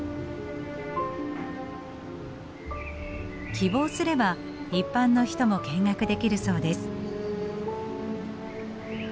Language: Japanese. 希望すれば一般の人も見学できるそうです。